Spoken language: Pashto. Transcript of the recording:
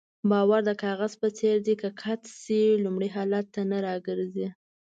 باور د کاغذ په څېر دی که قات شي لومړني حالت ته نه راګرځي.